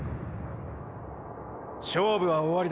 “勝負”は終わりだ。